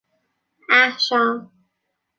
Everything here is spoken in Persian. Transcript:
احشام